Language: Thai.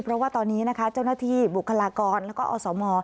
เพราะว่าตอนนี้นะคะเจ้าหน้าที่บุคลากรแล้วก็อสม